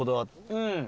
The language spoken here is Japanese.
うん。